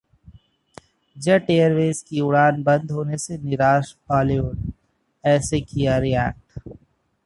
jet Airways की उड़ानें बंद होने से निराश बॉलीवुड, ऐसे किया रिएक्ट